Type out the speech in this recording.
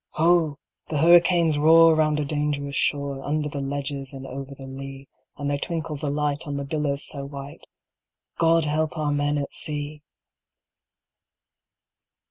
Ho! the hurricanes roar round a dangerous shore, Under the ledges and over the lea; And there twinkles a light on the billows so white God help our men at sea!